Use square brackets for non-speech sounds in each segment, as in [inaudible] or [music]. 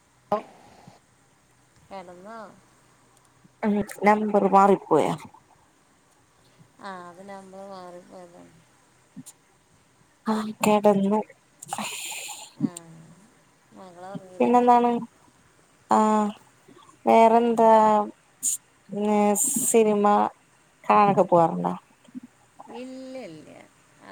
[unintelligible] കെടന്നോ ഉം നമ്പറ് മാറിപ്പോയാ ആ അത് നമ്പർ മാറിപ്പോയതാ ആഹ് കെടന്നു ആ മകൾ ഉറങ്ങിയില്ലേ പിന്നെ എന്താണ് ആഹ് ആ വേറെന്താ പിന്നെ സിനിമ കാണാനൊക്കെ പോവാറുണ്ടോ ഇല്ല ഇല്ല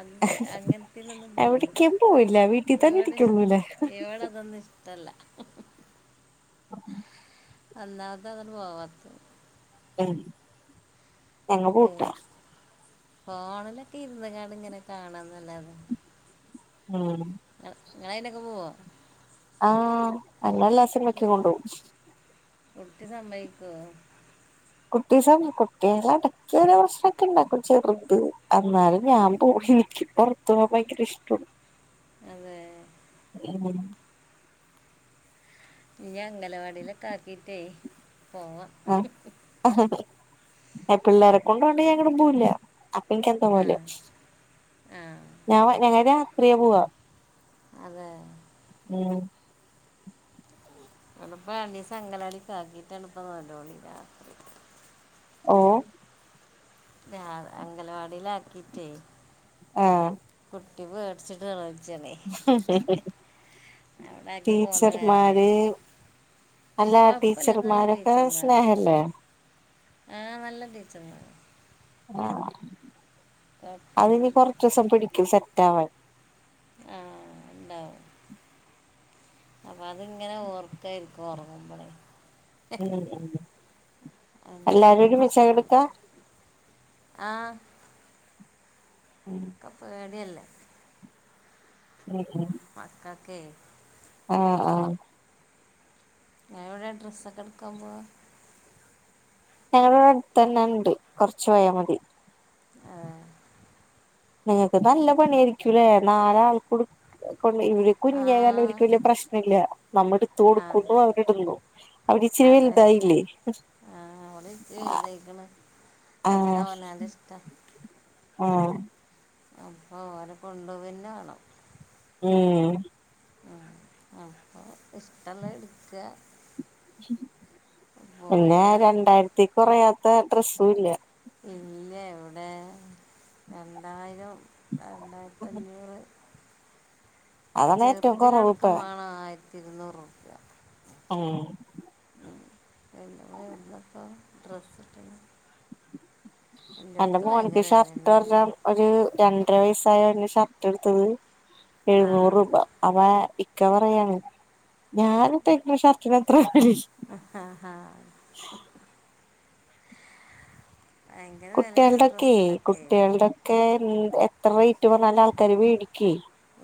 അത് അങ്ങൻത്തേനൊന്നും പോകൂല്ല എവിടേക്കും പോവില്ല വീട്ടിൽ തന്നെ ഇവിടെ ഇരിക്കുള്ളൂല്ലേ ഇവിടെ അതൊന്നും ഇഷ്ടല്ല ഉം ആഹ് ഒന്നാമത്തതതാണ് പോവാത്തത് ഉം ഞങ്ങ ഏ പോവൂട്ടാ ഫോണിലൊക്കെ ഇരുന്നങ്ങാണ്ടിങ്ങനെ കാണുന്നല്ലാതെ ഉം ഇങ്ങളയെനൊക്കെ പോവോ ആഹ് എന്നെ എല്ലാ സിനിമക്കും കൊണ്ടു പോകും കുട്ടി സമ്മയ്ക്കോ കുട്ടി സ കുട്ടി എടക്ക് ഒരു പ്രശ്നൊക്കെ ഇണ്ടാകും ചെറുത് എന്നാലും ഞാൻ പോകും എനിക്ക് പൊർത്തുപൂവാൻ ഭയ്ങ്കര ഇഷ്ടോ അതെ ഉം ഇനി അങ്കലവാടീലൊക്കാക്കീട്ടേ പോകാം ആ പിള്ളേരെ കൊണ്ടോവാണ്ട് ഞാൻ എങ്ങടും പോവൂല്ല അപ്പം ഇൻക്ക് ആ എന്തോപോലെയാവും ആ ഞാൻ ഞങ്ങൾ രാ ത്രിയാ പോവാ അതെ ഉം ഇവടപ്പം രണ്ടീസം അങ്കലാടിക്ക് ആക്കിട്ടാണ് ഇപ്പം നോളോളി ഇല്ലാത്തത് ഓ ഞാവ് അംഗലവാടിൽ ആക്കിട്ടേ ഉം കുട്ടി പേട്ച്ച്ട്ട് [unintelligible] ച്ചാണേ അവ്ടാക്കി പോന്ന കാരണേ ടീച്ചർമാര് അല്ല കൊഴപ്പല്ല നല്ല ടീച്ചർമാരൊക്കെ ടീച്ചർമ്മാരാ സ്നേഹല്ലേ ആ നല്ല ടീച്ചർമ്മാരാ ആ അത് ഇനി കൊർച്ചുസം പിടിക്കും സെ റ്റാവാൻ ആ ഇണ്ടാവും ആപ് അതിങ്ങനെ ഓർക്കായിരിക്കും ഒ നമ്മളെ ഉം അതിൻ്റെ എല്ലാരും ചെറിയ ഒരുമിച്ചാ പ്രശ്നമുണ്ട് കെട്ക്കാ ആ ഒക്കെ പേടി അല്ലേ ഉം ഉം മക്കക്കെയ് ആ ആ ഞാൻ ഇവിടെ ഡ്രസ്സൊക്കെ ഇട്ക്കാൻ പോവാ ഞങ്ങളെ ഇവടെ അട്ത്തെന്നെ ഇണ്ട് കൊർച്ച് പോയാ മതി നിങ്ങക്ക് നല്ല പണിയായിരിക്കുംലെ നാലാൾക്കും ഇട്ക്കാ കൊണ്ട് ഇവര് ആ കുഞ്ഞയാലും ഇവൽക്ക് വല്ല്യ പ്രശ്നം ഇല്ല നമ്മ എടുത്ത് ആ ആ കൊടുക്കുന്നു അവരിടുന്നു അവര് ഇച്ചിരി അതെ വെല്തായില്ലേ ആ അവള് ഇച്ചി വലുതായിക്കണ് ഒക്കെ അവനാൻ്റെ ഇഷ്ടാ ആ അപ്പ ഓരെ കൊണ്ടോവെന്നെ വേണം ഉം അപ്പം ഇഷ്ടള്ളെ ഇട്ക്കാ പിന്നെ രണ്ടായിരത്തി കൊറയാ ത്ത ഡ്രസ്സും ഇല്ല ഇല്ല ഇവ്ടെ രണ്ടായിരം രണ്ടായിരത്തി അഞ്ഞൂറ് അതാണ് ഏറ്റവും കൊറവ് ചെർതിനടക്കം ഇപ്പ വാണം ആയി ഇരുന്നൂറ് റുപ്യ ഉം [unintelligible] എന്റെ എല്ലായിടത്തും മോന്ക്ക് ഭയങ്കര വില ഷർട്ട് തന്നെയല്ലേ പറഞ്ഞാ ഒരു രണ്ടര വയസ്സായ അവന് ഷർ ട്ടെടുത്തത് ആ എഴുന്നൂറ് രൂപ അത ഇക്ക പറയാണ് ഞാനിപ്പ ഇട്ടിരിക്കുന്ന ഷർട്ടിന് എത്ര വില ആഹ ഹാ ഭയങ്കര വിലയാണ് കുട്ടികളുടൊക്കെ ഡ്രസ്സിനൊക്കെ കുട്ടികളുടൊക്കെ എത്ര റേറ്റ് പറഞ്ഞാലും ആൾക്കാര് വേടിക്കുവേ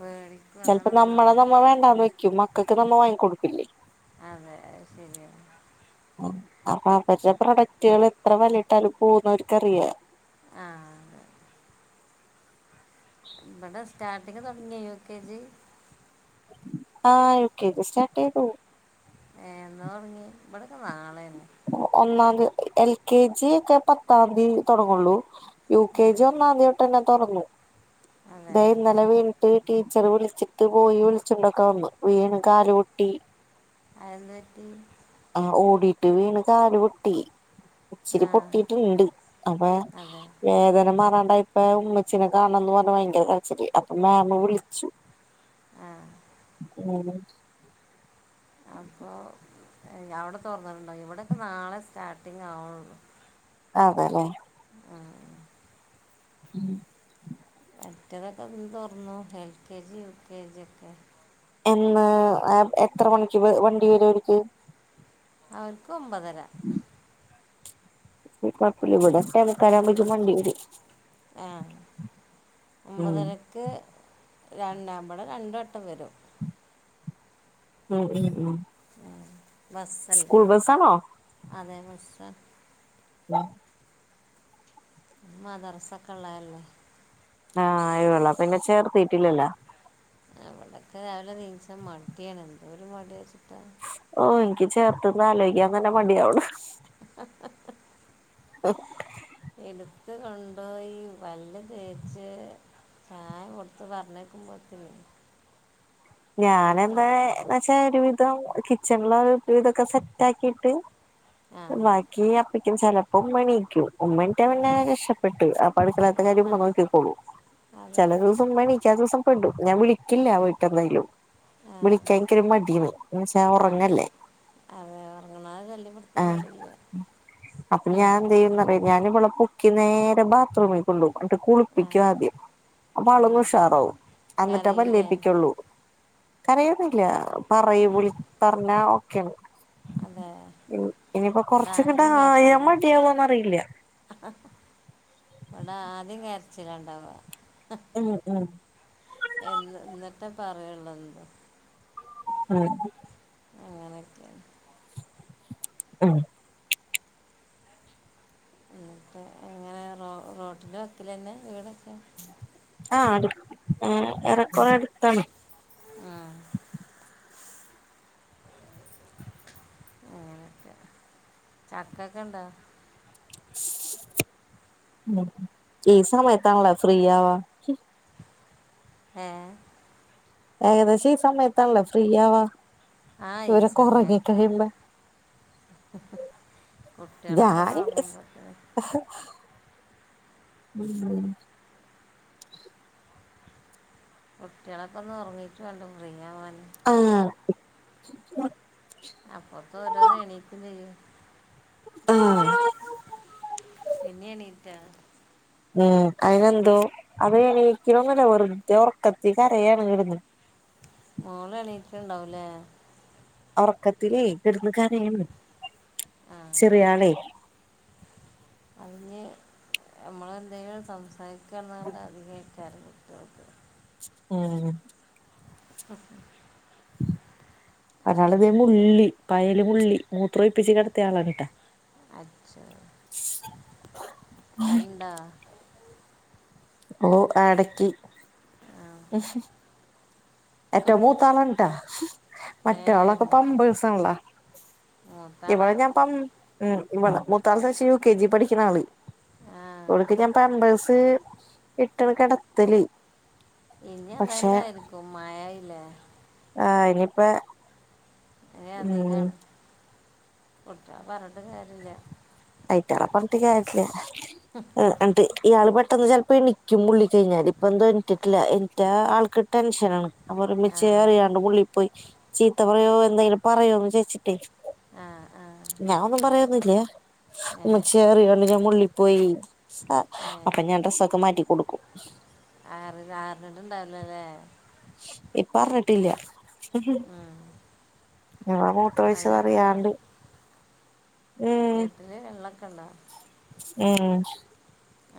മേടിക്കും അതാണ് ചിലപ്പോ നമ്മളെ ഒന്നാമത് നമ്മൾ വേണ്ടാന്ന് വെക്കും മക്കൾക്ക് നമ്മ വാങ്ങി കൊടുക്കും. [inaudible] അത ശരിയാ അപ്പൊ അവരുടെ പ്രൊഡക്റ്റുകൾ എത്ര വലയിട്ടാലും പോകുന്ന അവർക്ക്റിയാ ആഹ ബടാ സ്റ്റാർട്ടിങ് തുടങ്ങിയ യു കെ ജി ആഹ് യു കെ ജി സ്റ്റാർട്ടചെയ്തു ഏന്നാ തുടങ്ങി ഇവിടെൊക്കെ നാളെന്ന ഒന്നാംയ എൽ കെ ജി ഒക്കെ പത്താം തിയതി തുടങ്ങുള്ളൂ യു കെ ആ ജി ഒന്നതിത്തോട്ടെന്നെ തുറന്ന് അതെ ഇതൈ ഇന്നലെ വീണിട്ട് ടീച്ചർ വിളിച്ചിട്ട് പോയി വിളിച്ചുണ്ടോക്ക വന്ന് വീണ് കാല പൊട്ടി അഅതെന്തു പറ്റി ടിവീ കാലു പൊട്ടി ആ ഇച്ചിരി പൊട്ടിട്ടുണ്ട് അപ്പൊ അതെ വേദന മാറാൻ ഇപ്പ ഉമ്മച്ചീനെ കാണന്ന് പറഞ്ഞ ഭയങ്കര കരചിൽ അപ്പൊ മാമ വിളിച്ചു ആ ഉം അപ്പൊ അവിടെ തോറന്നിട്ടുണ്ടാവ ഇവിടെൊക്കെ നാളെ സ്റ്റാർട്ടിങ് ആവുള്ളു അതല്ലെ ഉം മറ്റതൊക്കെ തോറന്നു L K G U K G ഒക്കെ എന്ന് എത്ര മണിക്ക് വണ്ടി വരുംഅവർക്ക് അവർക്ക് ഒമ്പതര കൊഴപ്പല്ല ഇവിടെ ഏട്ടമുക്കൽ ആവുമ്പോക്കനും വണ്ടി വരും ആഹ ഉം ഒമ്പതരക്ക് രണ്ടാ്പടെ രണ്ടു വട്ടം വരും ഉം ഉം ഉം ഉം ബസ്സല്ലേ സ്കൂൾ ബസ്സാണോ അതേപക്ഷ വഹ മദറസൊക്കെ ഉള്ളല്ലേ ആഹ് അയവെള്ളപ്പ പിന്നെ ചേർത്തീട്ടില്ലല്ലോ അവിടൊക്കെ രാവിലെ നീൻച്ച മടിയാണ് എന്തോ ഒരു മട വെച്ചിട്ട ഓ എനിക്ക് ചേർത്ത്ന്ന് ആലോചിക്കാൻ തന്നെ മടിയാവണ് അ എടുത്ത കൊണ്ട്യി പല്ല് തേച്ച് ചായ കൊടുത്ത് പറഞ്ഞേക്കുമ്പോത്തിന ഞാന എന്താ എന്ന വച്ചാ ഒരു ഇ കിച്ചണില ഇതൊക്കെ സെറ്റ് ആക്കിട്ട് ആ ബാക്കി ചിലപ്പം എണിക്കൂം ഉമ്മ എണ്ണീറ്റുകഴിഞ്ഞാൽ അതെ രക്ഷപ്പെട്ടു ആ പഠിക്കലത്ത കാര്യം നോക്കിക്കോളൂം അതെ ചില ദിവസം ഉമ്മ എണ്ണീക്കാത്ത ദിവസം ഉണ്ടു ഞാൻ വിളിക്കില്ല വീട്ടെന്തായലും ആ വിളിക്കാൻ എനിക്കരു മടിയാണ് എന്നു വച്ചാ ആ ഉറങ്ങല്ലേ. അതെ ഉറങ്ങണത് ആ ശല്യപ്പെടുത്താൻ പാടില്ല അപ്പൊ ഞാൻ എന്ത് ചെയ്യുമെന്നറിഞ്ഞ ഞാൻ ഇവളെ പൊക്കി നേരെ ബാത്റൂമിൽ കൊണ്ടോകും എന്നിട്ട് ആ കുളിപ്പിക്ക ആദ്യം. അപ്പൊ ആ അവളങ്ങ് ഉഷാറാവും എന്നിട്ട് കരയൂലേ പല്ലുതേപ്പിക്കുള്ളൂ. കരയത്തില്ല പറയൂ ആ വിളി പറഞ്ഞാ ഓക്കെയാണ് അതെ ഇനിയിപ്പോ ഇവിടെ കൊറച്ചങ്ങട്ട് ആദ്യം ആയാ കരച്ചില് മതിയാവോന്നറിയില്ല ഇവിട ആദ്യം കര ചിലാണുണ്ടാവുക ഉം ഉം എന്ന് എന്നിട്ടേ പറയുള്ളൂ എന്തോ ഉം അങ്ങനൊക്കെയാ ഉം എന്നിട്ട് എങ്ങനെ റോട്ടിൻറെ വക്കിൽതന്നെയാ വീട്? ആ ആണു ഏറെക്കുറെ അടുത്താണ് ആ ഒക്കെ ചക്കയൊക്കെ ഉണ്ടോ? ഈ സമയത്താണല്ല ഫ്രീ ആവാ ഏ ഏകദേശം ഈ സമയത്താണല്ലെ ഫ്രീയാവാ ആ ഈ സമയത്ത് കുട്ടികളൊക്ക ഒന്നു ഞാന് ഉങ്ങുമ്പത്തേ ഉം കുട്ടികളൊക്കെ ഒന്നും ഉറങ്ങീട്ട് വേണ്ട ഫ്രീയാവാൻ ആ അപ്പൊത്ത് ഓരോന്ന് എണീക്കും ചെയ്യും ആ പിന്നെയും എണീട്ടോ ഉം അതിനെന്തോ അത് എനിക്കലൊന്നുമില്ല വെറുതെ ഉറക്കത്തിൽ കരയാണ് കിടുന്ന് മോള് എണീറ്റിട്ടുണ്ടാവുല്ലേ ഉറക്കത്തില് കിടുന്നു കരയണത് ആ ചെറിയാളെ അതിന് നമ്മളെന്തെലും സംസാരി കുന്നോണ്ടാ അധികം [unintelligible] ഉം അ [unintelligible] ഒരാളിതേ ്രയിപ്പിച്ച് കിടത്തയാളാ ക കേട്ടാ [unintelligible] അചോ അണ്ടാ ഓ ആടക്കി ആ ഏറ്റോ മൂത്താളട്ടാ ഏ മറ്റയാളൊക്കെ മു- പമ്പഴസള്ള മൂത്താളാ ഇവടെ ഞാൻ പ ഉം ഇവടെ മൂത്തയാൾ യു കെ ജി പഠിക്കുന്ന ആള് ആ കൊടുക്ക് ഞാൻ പാമ്പേഴ്സ് സ [unintelligible] ഇട്ടണ കിടത്തല് ഇനി അത്‌ പക്ഷെ തന്നെയിരിക്കും മഴല്ലേ ആ ഇനിയിപ്പ ഉം അധികാണ് ട്ട വ [unintelligible] ആയിട്ടളെപ്പത്തക്ക ആയിട്ടില്ല എന്ന് ഇയാള് പ [unintelligible] ചിലപ്പോ എനിക്കും മുള്ളി കഴിഞ്ഞാല് ഇപ്പ എന്തും എണീറ്റിട്ടില്ല എണീറ്റാ ആൾക്ക് ടെൻഷനാണ് ആ അരുമിച്ചേറിയാണ്ട് മുള്ളിൽ പോയി ചീത്ത പറയോ എന്തെങ്കിലും പറയോ എന്ന് ചോദിച്ചിട്ടേ ആ ആ ഒന്നുമില്ല ഏ ഉമ്മച്ചറിയാണ്ട് ഞാൻ മുള്ളി പോയി ഏ അപ്പൊ ഞാൻ ഡ്രസ്സൊക്കെ മാറ്റി കൊടുക്കും ആറി ആറിട്ട ഇണ്ടാവണല്ലേ ഇപ്പറിഞ്ഞിട്ടില്ല ഉം ഞാൻ മൂത്രമൊഴിച്ചതറിയാണ്ട് വീട്ടിലെ വെള്ള ഉം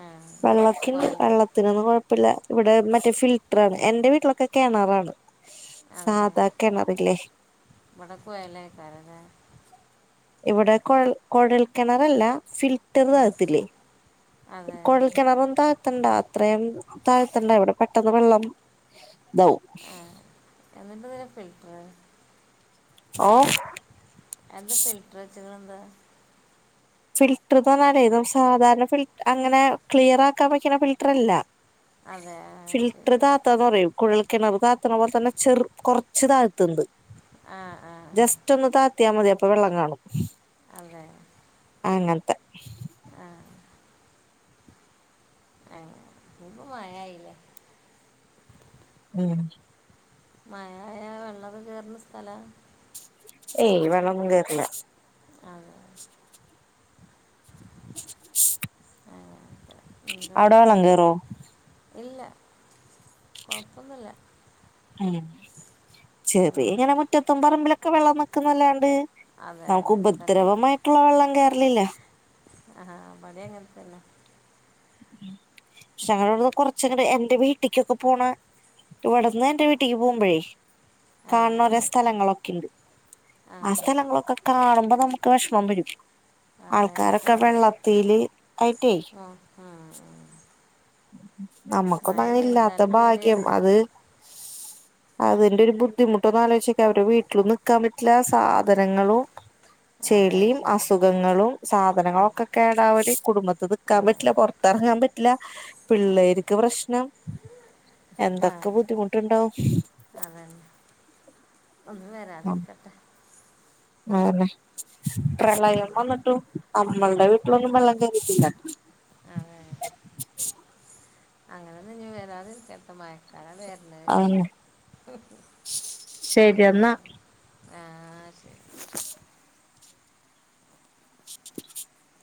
ആ വെള്ളത്തിന് കുഴൽ വെള്ളത്തിന് ഒന്നും കുഴ ല്ല ഇവിടെ മറ്റേ ഫിൽറ്ററാണ് എന്റെ വീട്ടിലൊക്കെ കിണറാണ് അതെ സാധാ കിണറില്ലേ വടക്കയല്ലക്കാരതെ [unintelligible] ഇവിടെ കുഴൽ കുഴൽ കിണറല്ല ഫിൽറ്റർ ആ താഴത്തില്ലേ അതെ കുഴൽ കിണറതും താഴ് തണ്ട അത്രയും താഴത്തന്നെ ഇവിടെ പെട്ടെന്ന് വെള്ളം ഇതാവും ആഹ് എന്നിട്ട ആഹ്. ഓ എന്ത് ഫിൽറ്റർ [inaudible] ഫിൽറ്റർന്ന് പറഞ്ഞാലേ സാധാരണ ഫിൽ അങ്ങനെ ക്ലിയർ ആക്കാൻ വെക്കണ ഫിൽറ്റർ അല്ല. അതെ ആ ഫിൽട്ടർ ശരി താഴ്ത്താന്ന് പറയും. കുഴൽക്കിണറു താഴ്ത്തണ പോലെ തന്നെ ചെറു കുറച്ച് താ ആ ആ ജസ്റ്റ് ഒന്ന് താ താഴ്ത്തിയ മതി അപ്പൊ വെള്ളം കാണും. അതെ. അങ്ങനത്തെ. ആഹ്. ആഹ് ഇപ്പ മഴയില്ലേ? ഉം. മഴായ വെള്ളൊക്കെ കേറുന്ന സ്ഥലാ? ഏയ് വെള്ളൊന്നും കേറില്ല. ആഹ്. അങ്ങനെയൊക്കെ എന്താ അവിടെ വെള്ളം കേറോ? കൊഴപ്പൊന്നില്ല. ഉം ചെറിയ ഇങ്ങനെ മുറ്റത്തും പറമ്പിലൊക്കെ വെള്ളം നിക്കുന്നല്ലാണ്ട് അതെ നമുക്ക് അങ്ങനെ തന്നെ ഉപദ്രവമായിട്ടുള്ള വെള്ളം കേയറലില്ല. ആഹാ [unintelligible] അങ്ങനത്തെന്നെ. പക്ഷെ ഞങ്ങളുടെ അവിടന്ന് കൊറച്ചങ്ങട് എന്റെ വീട്ടിക്കൊക്കെ പോണ ഇവിടുന്ന് എന്റെ വീട്ടിലക്ക് പോകുമ്പോഴേ ആ കാണണ ഒരേ സ്ഥലങ്ങളൊക്കെണ്ട്. ആ സ്ഥലങ്ങളൊക്കെ കാണുമ്പോ നമുക്ക് വിഷമം വരും. അതെ ആൾക്കാരൊക്കെ വെള്ളത്തിൽ ആയിട്ടേ ഉം, ഉം, ഉം. [inaudible] നമ്മക്കൊന്നും മഴ അങ്ങനെ ഇല്ലാത്ത പെയ്താലും ഭാഗ്യം പേടിയാണ് അത് അതിന്റെ ഒരു ബുദ്ധിമുട്ടൊന്ന് ആലോച്ചോക്കെ അവരുടെ വീട്ടിലും നിക്കാൻ പറ്റില്ല. സാധനങ്ങളോ അതെ ചെളിയും ശരി അസുഖങ്ങളും ആ സാധനങ്ങളൊക്കെ കേടവല് കുടുംബത്ത് ആ നിക്കാൻ പറ്റില്ല പുറത്തിറങ്ങാൻ ഇല്ല അതെ പിള്ളേർക്ക് പ്രശ്നം ആ എന്തൊക്കെ ബുദ്ധിമുട്ടുണ്ടാവും. ഒന്നും വരാതിരിക്കട്ടെ. ആന്നെ. പ്രളയം ഉം, വന്നിട്ടു നമ്മളുടെ വീട്ടിലൊന്നും വെള്ളം കേ [unintelligible] ആ അങ്ങനെയെന്നും ഇഞ്ഞി വെരാതിരിക്കറട്ടെ മഴക്കാല അതന്നെ ശരി എന്നാ [inaudible] [inaudible] [inaudible]